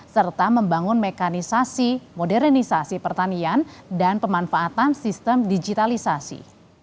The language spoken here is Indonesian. serta membangun mekanisasi modernisasi pertanian dan pemanfaatan sistem digitalisasi